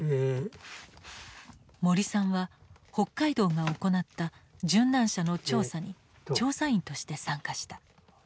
森さんは北海道が行った殉難者の調査に調査員として参加した。